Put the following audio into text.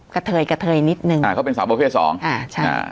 กระเทยกระเทยนิดนึงอ่าเขาเป็นสาวประเภทสองอ่าใช่อ่า